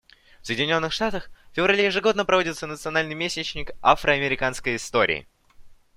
В Соединенных Штатах в феврале ежегодно проводится национальный месячник афро-американской истории.